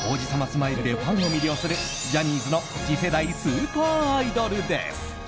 スマイルでファンを魅了するジャニーズの次世代スーパーアイドルです。